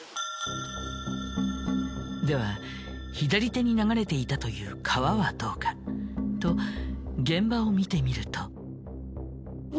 では左手に流れていたという川はどうか？と現場を見てみると。